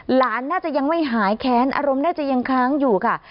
หลานน่าจะยังไม่หายแค้นอารมณ์น่าจะยังค้างอยู่ค่ะ